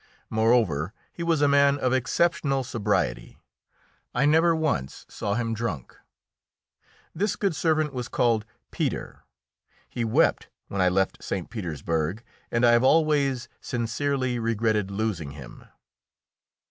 Moreover, he was a man of exceptional sobriety; I never once saw him drunk. This good servant was called Peter; he wept when I left St. Petersburg, and I have always sincerely regretted losing him.